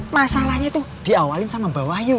masalahnya tuh diawalin sama mbak wahyu